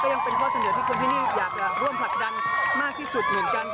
ยังเป็นข้อเสนอที่คนที่นี่อยากจะร่วมผลักดันมากที่สุดเหมือนกัน